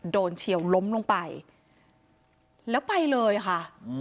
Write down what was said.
เฉียวล้มลงไปแล้วไปเลยค่ะ